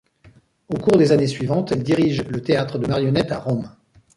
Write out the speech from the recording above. Au cours des années suivantes, elle dirige le théâtre de marionnettes à Rome.